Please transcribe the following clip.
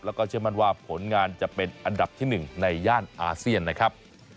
แล้วก็เชื่อมั่นว่าผลงานจะเป็นอันดับที่๑ในย่านอาเซียนนะครับ